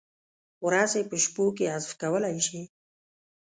ورځې په شپو کې حذف کولای شي؟